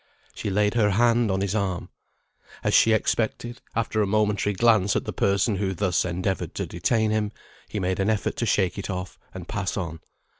She laid her hand on his arm. As she expected, after a momentary glance at the person who thus endeavoured to detain him, he made an effort to shake it off, and pass on.